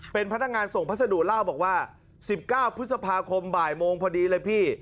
เป็นพนักงานส่งพัสดุเล่าบอกว่า๑๙พฤษภาคมบ่ายโมงพอดีเลยพี่